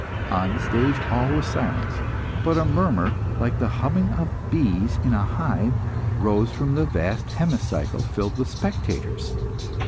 On the stage all was silence, but a murmur like the humming of bees in a hive rose from the vast hemicycle filled with spectators.